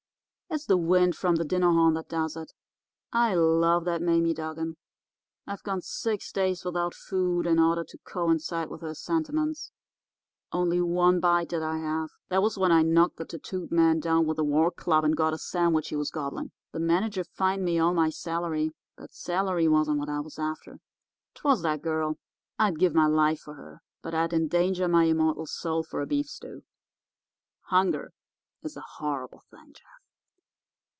It's the wind from the dinner horn that does it. I love that Mame Dugan. I've gone six days without food in order to coincide with her sentiments. Only one bite did I have. That was when I knocked the tattooed man down with a war club and got a sandwich he was gobbling. The manager fined me all my salary; but salary wasn't what I was after. 'Twas that girl. I'd give my life for her, but I'd endanger my immortal soul for a beef stew. Hunger is a horrible thing, Jeff.